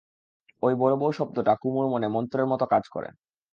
ঐ বড়োবউ শব্দটা কুমুর মনে মন্ত্রের মতো কাজ করে।